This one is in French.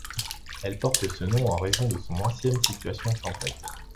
Elle porte ce nom en raison de son ancienne situation champêtre.